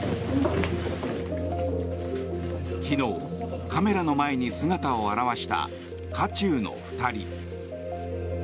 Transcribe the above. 昨日、カメラの前に姿を現した渦中の２人。